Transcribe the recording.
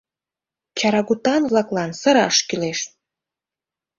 Чарагутан-влаклан сыраш кӱлеш!